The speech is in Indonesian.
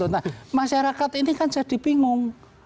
nah masyarakat ini kan jadi bingung